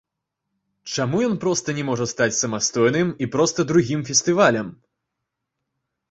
Чаму ён проста не можа стаць самастойным, і проста другім фестывалем?